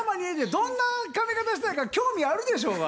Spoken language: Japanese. どんな髪形したいか興味あるでしょうが。